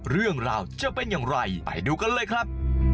เรื่องราวจะเป็นอย่างไรไปดูกันเลยครับ